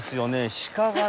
鹿がね